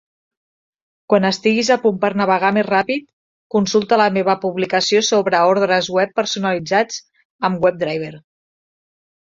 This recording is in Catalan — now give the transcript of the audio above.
Quan estiguis a punt per navegar més ràpid, consulta la meva publicació sobre ordres web personalitzats amb WebDriver.